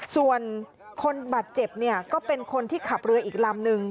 ส่วนคนบาดเจ็บเนี่ยก็เป็นคนที่ขับเรืออีกลำนึง